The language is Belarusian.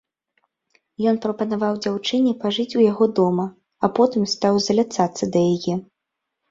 Ён прапанаваў дзяўчыне пажыць у яго дома, а потым стаў заляцацца да яе.